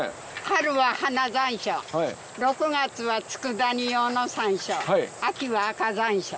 春は花山椒はい６月はつくだ煮用の山椒はい秋は赤山椒